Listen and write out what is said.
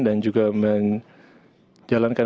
dan juga menjalankan